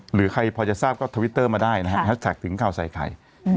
หรือใครพอจะทราบก็ทวิตเตอร์มาได้นะฮะแฮชแท็กถึงข่าวใส่ไข่